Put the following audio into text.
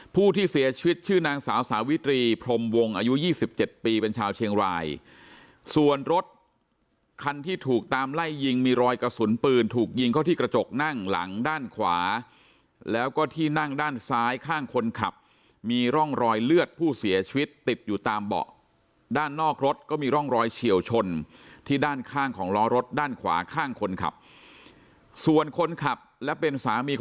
ผู้ที่เสียชีวิตชื่อนางสาวสาวิตรีพรมวงอายุ๒๗ปีเป็นชาวเชียงรายส่วนรถคันที่ถูกตามไล่ยิงมีรอยกระสุนปืนถูกยิงเข้าที่กระจกนั่งหลังด้านขวาแล้วก็ที่นั่งด้านซ้ายข้างคนขับมีร่องรอยเลือดผู้เสียชีวิตติดอยู่ตามเบาะด้านนอกรถก็มีร่องรอยเฉียวชนที่ด้านข้างของล้อรถด้านขวาข้างคนขับส่วนคนขับและเป็นสามี